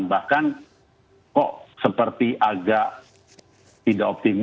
bahkan kok seperti agak tidak optimis